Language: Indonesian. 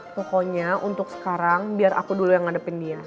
pokoknya untuk sekarang biar aku dulu yang ngadepin dia